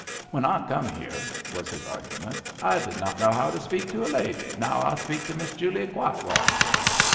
"When I come here," was his argument, I did not know how to speak to a lady, now I can speak to Miss Julia quite well."